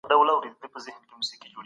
سل؛ لس ډلي لري.